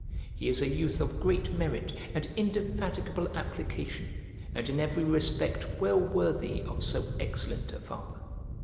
He is a youth of great merit and indefatigable application, and in every respect well worthy of so excellent a father.